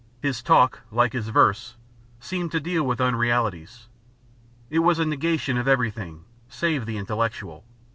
His talk, like his verse, seemed to deal with unrealities. It was a negation of everything, save the intellectual.